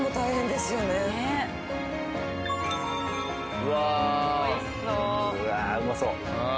うわあうまそう！